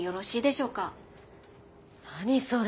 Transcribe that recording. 何それ？